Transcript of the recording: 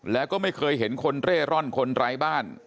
แล้วก็ไม่เคยเห็นคนเร่ร่อนคนไร้บ้าน